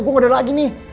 gue gak ada lagi nih